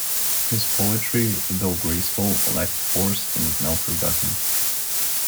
His poetry, though graceful, lacked force, and is now forgotten.